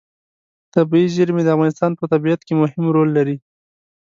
طبیعي زیرمې د افغانستان په طبیعت کې مهم رول لري.